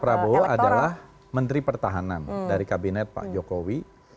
prabowo adalah menteri pertahanan dari kabinet pak jokowi